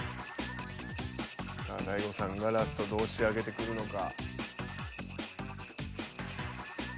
さあ大悟さんがラストどう仕上げてくるのか。